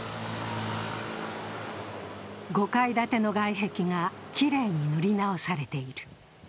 ５階建ての外壁がきれいに塗り直されている。